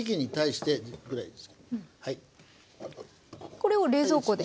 これを冷蔵庫で。